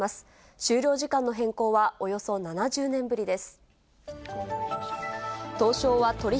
終了時間の変更はおよそ７０年ぶりです。